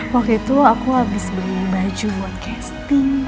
waktu itu aku habis beli baju buat casting